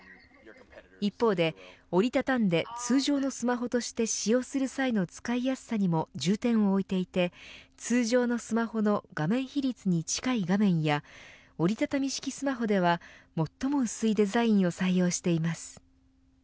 一方で折り畳んで通常のスマホとして使用する際の使いやすさにも重点を置いていて通常のスマホの画面比率に近い画面や折り畳み式スマホでは最も薄いデザインを採用しています。